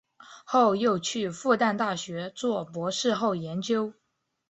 后又去复旦大学做博士后研究。